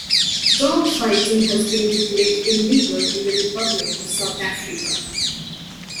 Dog fighting has been declared illegal in the Republic of South Africa.